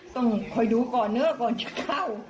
ต้องคอยดูก่อนเนอะก่อนจะเข้า